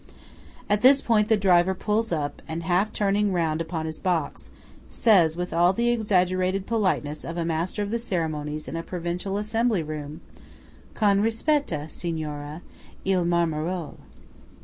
At this point the driver pulls up, and, turning half round upon his box, says with all the exaggerated politeness of a Master of the Ceremonies in a provincial Assembly Room:– "Con rispetta, Signora–il Marmarole."